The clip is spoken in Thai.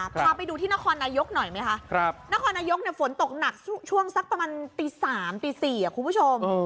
พาไปดูที่นครนายกหน่อยไหมคะนครนายกฝนตกหนักช่วงสักประมาณตี๓ตี๔คุณผู้ชม